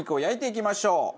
焼いていきましょう。